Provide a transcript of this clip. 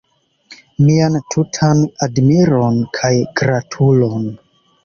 Mian tutan admiron kaj gratulon!